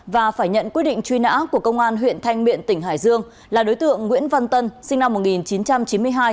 và phải nhận quyết định truy nã của công an huyện thanh miện tỉnh hải dương là đối tượng nguyễn văn tân sinh năm một nghìn chín trăm chín mươi hai